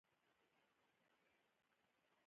ایا مصنوعي ځیرکتیا د انساني حافظې ارزښت نه کموي؟